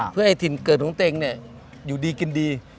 เพื่อให้ถิ่นเกิดของตัวเองอยู่ดีกินดี